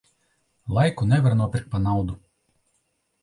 Laiku nevar nopirkt pa naudu.